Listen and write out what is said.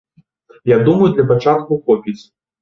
Я думаю, для пачатку хопіць.